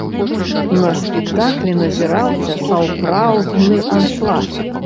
На спектаклі назіраўся сапраўдны аншлаг.